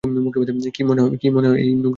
কি মনে হয় ধুলে এই নোংরা যাবে?